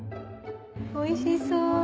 おいしそう。